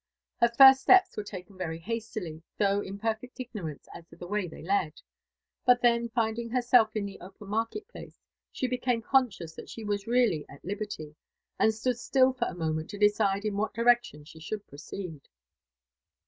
Her first steps were taken very hastily, though in perfect ignorance as to the way they led ; but then finding her^f in the open market place, she became conscious that she was really at liberty, and stood still for a moment to decide in what directloo she should proceed.